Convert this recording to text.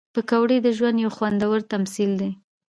پکورې د ژوند یو خوندور تمثیل دی